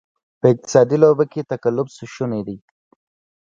په اقتصادي لوبه کې تقلب شونې دی.